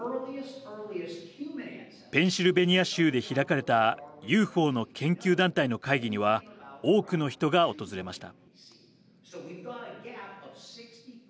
ペンシルベニア州で開かれたＵＦＯの研究団体の会議には多くの人が訪れました。